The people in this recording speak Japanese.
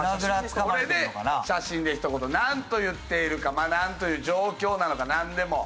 これで写真で一言なんと言っているかなんという状況なのかなんでもいいですけども。